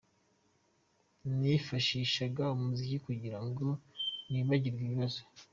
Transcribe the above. Nifashishaga umuziki kugira ngo nibagirwe ibibazo.